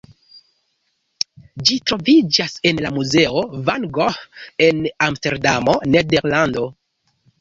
Ĝi troviĝas en la muzeo Van Gogh en Amsterdamo, Nederlando.